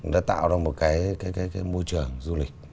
nó tạo ra một cái môi trường du lịch